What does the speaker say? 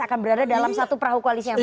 akan berada dalam satu perahu koalisi yang baik